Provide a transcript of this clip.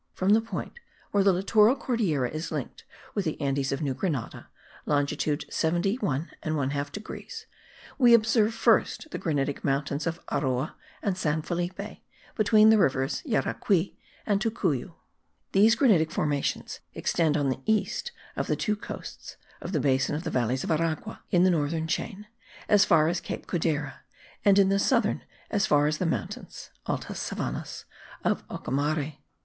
From the point where the littoral Cordillera is linked with the Andes of New Grenada (longitude 71 1/2 degrees) we observe first the granitic mountains of Aroa and San Felipe, between the rivers Yaracui and Tocuyo; these granitic formations extend on the east of the two coasts of the basin of the Valleys of Aragua, in the northern chain, as far as Cape Codera; and in the southern as far as the mountains (altas savanas) of Ocumare.